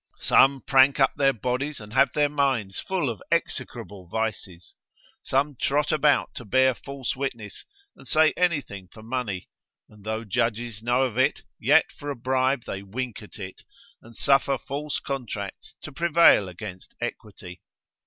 Some prank up their bodies, and have their minds full of execrable vices. Some trot about to bear false witness, and say anything for money; and though judges know of it, yet for a bribe they wink at it, and suffer false contracts to prevail against equity.